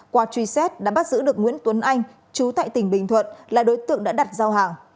qua truy xét đã bắt giữ được nguyễn tuấn anh chú tại tỉnh bình thuận là đối tượng đã đặt giao hàng